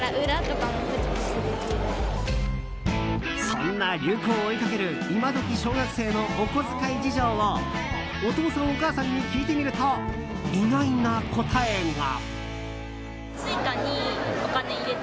そんな流行を追いかけるイマドキ小学生のお小遣い事情をお父さん、お母さんに聞いてみると意外な答えが。